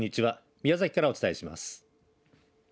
宮崎からお伝えします。